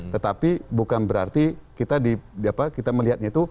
tetapi bukan berarti kita melihatnya itu